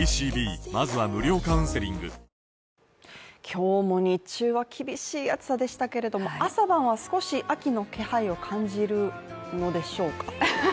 今日も日中は厳しい暑さでしたけれども朝晩は少し秋の気配を感じるのでしょうか？